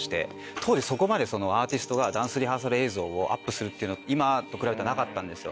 当時そこまでアーティストがダンスリハーサル映像をアップするっていうのは今と比べたらなかったんですよ。